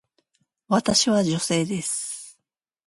私は女性です。